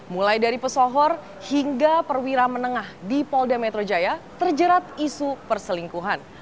mulai dari pesohor hingga perwira menengah di polda metro jaya terjerat isu perselingkuhan